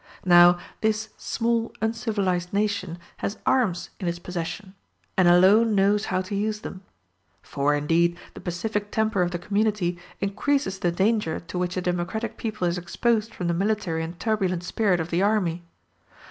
Now, this small uncivilized nation has arms in its possession, and alone knows how to use them: for, indeed, the pacific temper of the community increases the danger to which a democratic people is exposed from the military and turbulent spirit of the army.